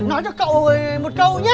nói cho cậu một câu nhá